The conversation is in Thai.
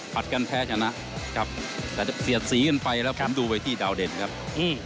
กันแพ้ชนะครับแต่เสียดสีกันไปแล้วผมดูไปที่ดาวเด่นครับ